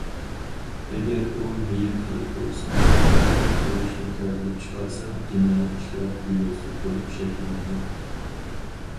ئەگەر ئۇ مېيىپ قىلىپ قويسا ياكى ئۆلۈشنى كەلتۈرۈپ چىقارسا جىنايى ئىشلار دېلوسى بولۇپ شەكىللىنىدۇ.